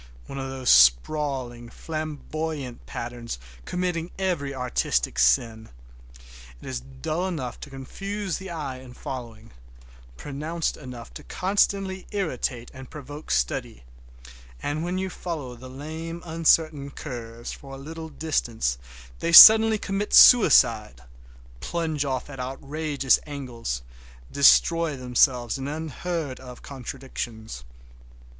One of those sprawling flamboyant patterns committing every artistic sin. It is dull enough to confuse the eye in following, pronounced enough to constantly irritate, and provoke study, and when you follow the lame, uncertain curves for a little distance they suddenly commit suicide—plunge off at outrageous angles, destroy themselves in unheard of contradictions.